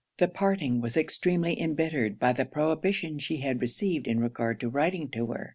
The parting was extremely embittered by the prohibition she had received in regard to writing to her.